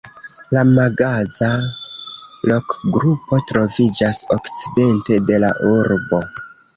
La Magaza-rokgrupo troviĝas okcidente de la urbo.